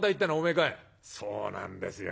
「そうなんですよ。